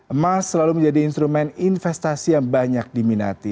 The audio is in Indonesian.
emas selalu menjadi instrumen investasi yang banyak diminati